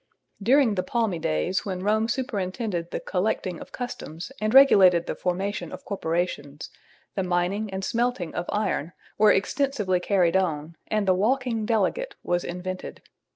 During the palmy days when Rome superintended the collecting of customs and regulated the formation of corporations, the mining and smelting of iron were extensively carried on and the "walking delegate" was invented.